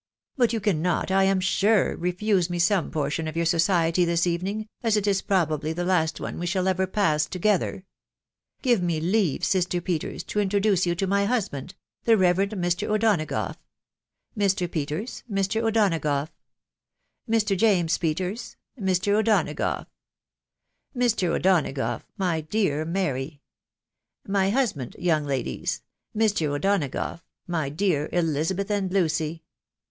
But you cannot, I am sure, refuse me some portion of your society this evening, as it is probably the last one we shall ever pass together. Give me leave, sister Peters, to introduce you to my husband, the Reverend Mr. O'Donagough. Mr. Peters, Mr. O'Donagough ; Mr. James Peters, Mr. O'Dona gough ; Mr. O'Donagough, my dear Mary ; my husband, young ladies ; Mr. O'Donagough, my dear Elizabeth and Lucy